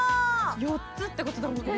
４つってことだもんね。